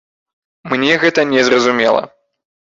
Мне гэта не зразумела.